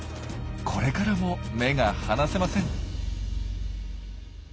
これからも目が離せません。